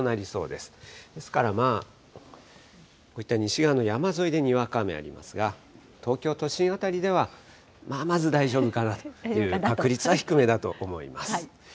ですからまあ、こういった西側の山沿いでにわか雨ありますが、東京都心辺りでは、まあ、まず大丈夫かなという、確率は低めだと思います。